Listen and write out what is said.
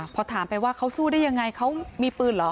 พอถามไปว่าเขาสู้ได้ยังไงเขามีปืนเหรอ